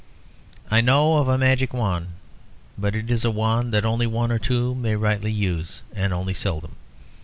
"I know of a magic wand, but it is a wand that only one or two may rightly use, and only seldom.